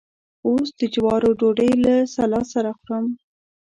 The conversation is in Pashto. اوس د جوارو ډوډۍ له سلاد سره خورم.